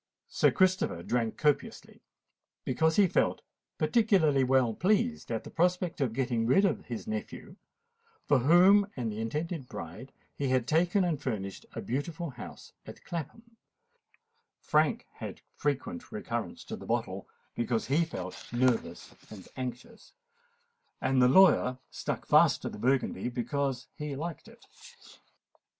Sir Christopher drank copiously, because he felt particularly well pleased at the prospect of getting rid of his nephew, for whom and the intended bride he had taken and furnished a beautiful house at Clapham: Frank had frequent recurrence to the bottle, because he felt nervous and anxious;—and the lawyer stuck fast to the Burgundy, because he liked it.